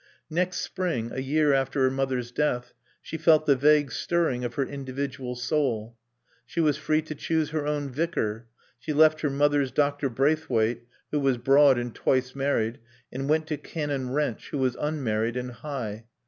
Next spring, a year after her mother's death, she felt the vague stirring of her individual soul. She was free to choose her own vicar; she left her mother's Dr. Braithwaite, who was broad and twice married, and went to Canon Wrench, who was unmarried and high.